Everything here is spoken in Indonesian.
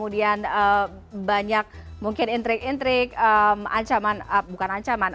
dan banyak mungkin intrik intrik ancaman bukan ancaman